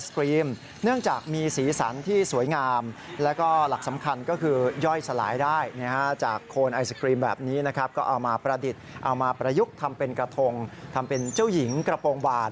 ประยุกต์ทำเป็นกระทงทำเป็นเจ้าหญิงกระโปรงบาล